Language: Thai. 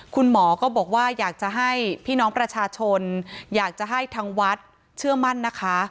คุณหมอก็บอกว่าอยากจะให้พี่น้องประชาชนอยากจะให้ทางวัดเชื่อมั่นนะคะ